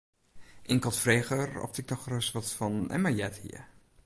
Inkeld frege er oft ik noch ris wat fan Emma heard hie.